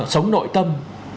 sống nội tâm